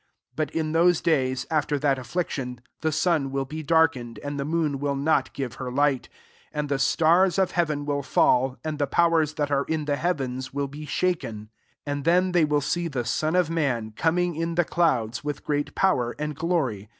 9 24 «• But in those days, after that affliction, the sun will be darkened, and the moon will not give her light; 25 and the stars of heaven will fall, and the powers that are in the heavens will be shaken. 26 And then they will see the Son of man coming in the clouds, with great power and glory.